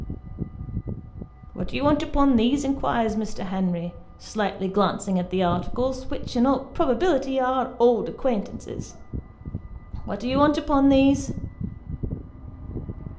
" What do you want upon these ?" inquires Mr. Henry, slightly glancing at the articles, which in all probability are old acquaintances. " What do you want upon these